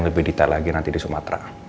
lebih detail lagi nanti di sumatera